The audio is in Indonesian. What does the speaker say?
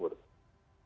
terima kasih pak